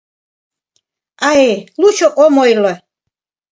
Ай, лучо ом ойло.